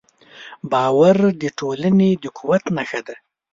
باور د ټولنې د قوت نښه ده.